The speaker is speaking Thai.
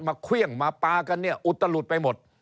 มาเครื่องมาปากันอุตลุดไปหมด